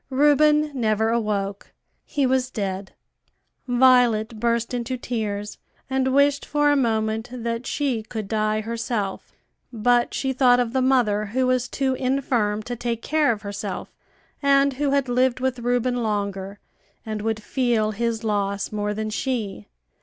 Reuben never awoke; he was dead. Violet burst into tears, and wished for a moment that she could die herself; but she thought of the mother who was too infirm to take care of herself, and who had lived with Reuben longer and would feel his loss more than she.